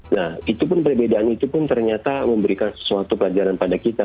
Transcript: nah itu pun perbedaan itu pun ternyata memberikan sesuatu pelajaran pada kita